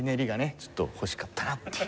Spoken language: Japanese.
ちょっと欲しかったなっていう。